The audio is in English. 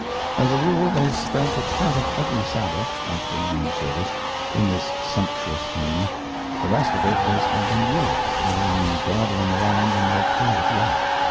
As a rule they spent a part of every Sabbath after morning service in this sumptuous home, the rest of it they spent in Europe, or in dawdling around in their private yacht.